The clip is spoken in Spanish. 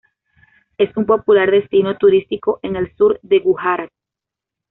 Es un popular destino turístico en el sur de Gujarat.